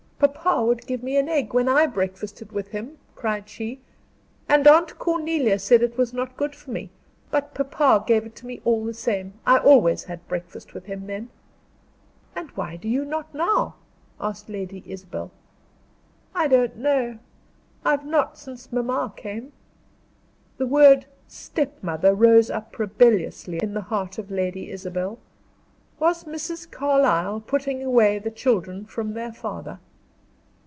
"Papa would give me an egg when I breakfasted with him," cried she, "and Aunt Cornelia said it was not good for me, but papa gave it to me all the same. I always had breakfast with him then." "And why do you not now?" asked Lady Isabel. "I don't know. I have not since mamma came." The word "stepmother" rose up rebelliously in the heart of Lady Isabel. Was Mrs. Carlyle putting away the children from their father?